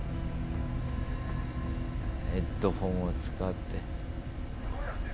ヘッドホンを使って。